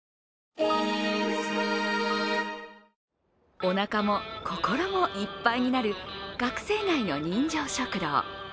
おなかも心もいっぱいになる学生街の人情食堂。